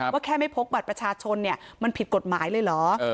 แค่ไม่พกบัตรประชาชนมันผิดกฎหมายเลยเหรอ